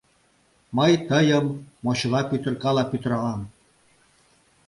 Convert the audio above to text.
Мый тыйым мочыла пӱтыркала пӱтыралам.